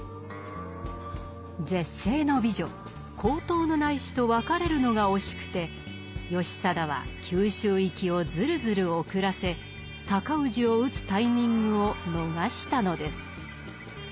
絶世の美女勾当内侍と別れるのが惜しくて義貞は九州行きをズルズル遅らせ尊氏を討つタイミングを逃したのです。